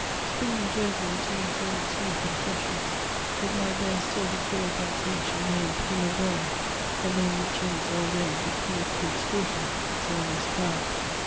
Spring in Jersey retains all its youth and freshness ; it might there still be called by its ancient name primavera, a name which in its old age it bequeathed to its daughter, its earliest flower.